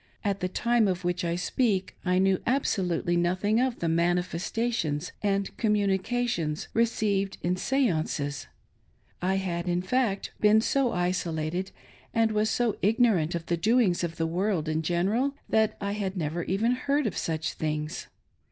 At the time of which I speak, I knew absolutely nothing of the " manifestations " and " communications " received at stances — I had, in fact, been so isolated, and was so ignorant of the doings of the world in general, that I had never even heard of such things.